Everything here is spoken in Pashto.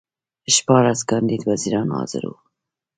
شپاړس کاندید وزیران حاضر وو.